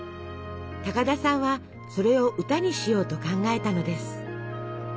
高田さんはそれを歌にしようと考えたのです。